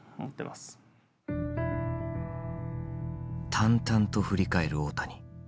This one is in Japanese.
淡々と振り返る大谷。